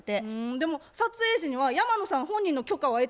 でも撮影時には山野さん本人の許可は得てないんやろ？